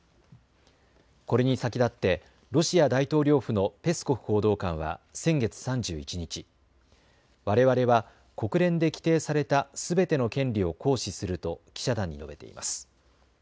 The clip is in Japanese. これに先立ってロシア大統領府のペスコフ報道官は先月３１日、われわれは国連で規定されたすべての権利を行使すると記者団に述べています。